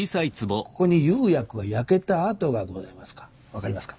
ここに釉薬が焼けた跡がございますが分かりますか？